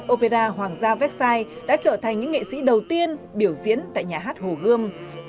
opera hoàng gia vecsai đã trở thành những nghệ sĩ đầu tiên biểu diễn tại nhà hát hồ gươm